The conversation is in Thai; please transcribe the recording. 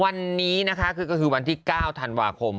วันนี้นะคะก็คือวันที่๙ธันวาคม